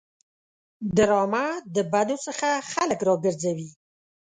ډرامه د بدو څخه خلک راګرځوي